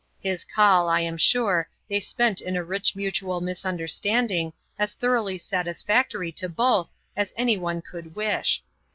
His call, I am sure, they spent in a rich mutual misunderstanding as thoroughly satisfactory to both as any one could wish.